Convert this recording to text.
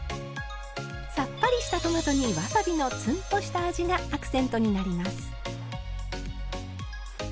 さっぱりしたトマトにわさびのツンとした味がアクセントになります。